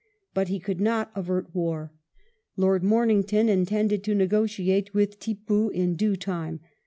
But he could not avert war. Lord Morning ton intended to negotiate with Tippoo in due time.